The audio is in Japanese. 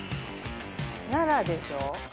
奈良でしょ？